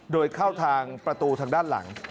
โดยเข้าทางประตูทางด้านหลัง